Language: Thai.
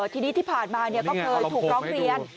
ทีนี้ที่ผ่านมาก็เคยถูกร้องเรียน